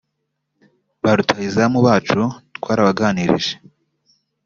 Ba rutahizamu bacu twarabaganirije